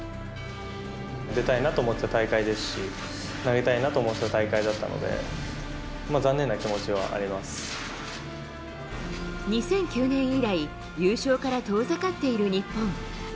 出たいなと思っていた大会ですし、投げたいなと思っていた大会だったので、残念な気持ちはあ２００９年以来、優勝から遠ざかっている日本。